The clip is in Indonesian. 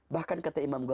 bahkan kata imam ghazali